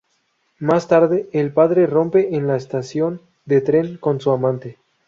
Más tarde el padre rompe en la estación de tren con su amante.